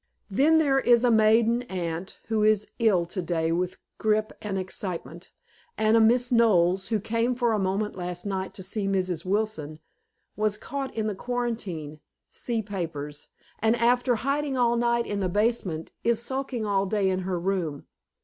Then there is a maiden aunt, who is ill today with grippe and excitement, and a Miss Knowles, who came for a moment last night to see Mrs. Wilson, was caught in the quarantine (see papers), and, after hiding all night in the basement, is sulking all day in her room.